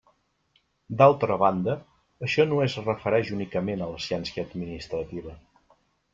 D'altra banda, això no es refereix únicament a la ciència administrativa.